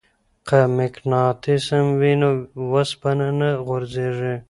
که مقناطیس وي نو وسپنه نه غورځیږي.